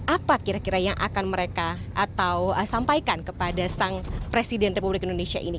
apa kira kira yang akan mereka atau sampaikan kepada sang presiden republik indonesia ini